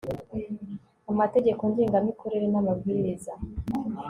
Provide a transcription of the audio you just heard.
amategeko ngengamikorere n amabwiriza